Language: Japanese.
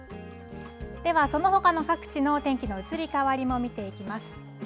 では、そのほかの各地の天気の移り変わりも見ていきます。